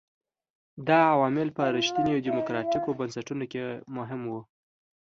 دا عوامل په رښتینو ډیموکراټیکو بنسټونو کې مهم وو.